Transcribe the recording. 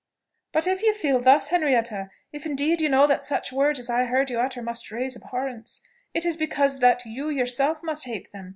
"But if you feel thus, Henrietta, if indeed you know that such words as I heard you utter must raise abhorrence, it is because that you yourself must hate them.